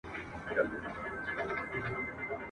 د عزت او وقار ژوند به دي وي.